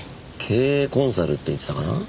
経営コンサルって言ってたかな。